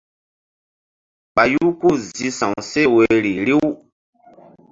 Ɓayu ku-u zi sa̧w seh woyri riw.